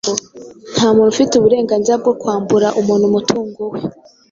Nta muntu ufite uburenganzira bwo kwambura umuntu umutungo we.